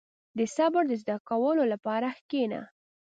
• د صبر د زده کولو لپاره کښېنه.